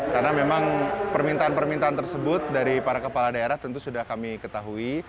karena memang permintaan permintaan tersebut dari para kepala daerah tentu sudah kami ketahui